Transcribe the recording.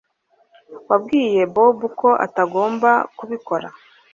Wabwiye Bobo ko atagomba kubikora